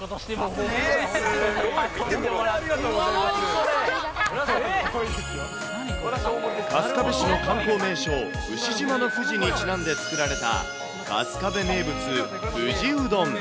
すごい、春日部市の観光名所、牛島の藤にちなんで作られた、春日部名物、藤うどん。